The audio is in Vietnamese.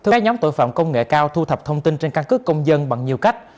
các nhóm tội phạm công nghệ cao thu thập thông tin trên căn cứ công dân bằng nhiều cách